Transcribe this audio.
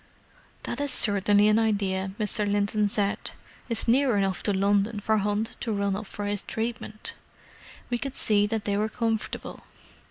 "That is certainly an idea," Mr. Linton said. "It's near enough to London for Hunt to run up for his treatment. We could see that they were comfortable."